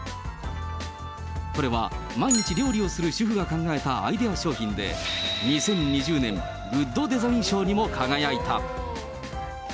これは毎日料理をする主婦が考えたアイデア商品で、２０２０年グッドデザイン賞にも輝いた。